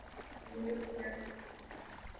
زندگی میں کامیاب ہونا اتنا مشکل نہیں